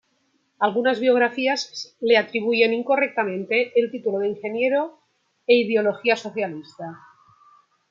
Algunas biografías le atribuyen incorrectamente el título de ingeniero, e ideología socialista.